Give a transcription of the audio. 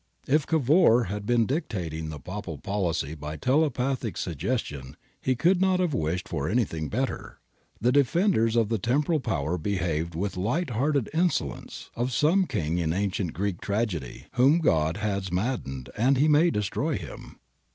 If Cavour had been dictating the Papal policy by telepathic suggestion he could not have wished for anything better. The defenders of the Temporal Power behaved with the light hearted insolence of some king in ancient Greek tragedy whom God has maddened that He may destroy him.